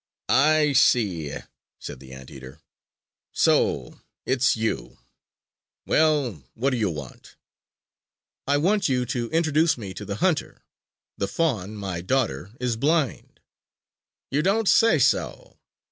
"I see," said the Anteater. "So it's you! Well, what do you want?" "I want you to introduce me to the hunter. The fawn, my daughter, is blind!" "You don't say so?